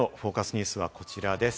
ニュースは、こちらです。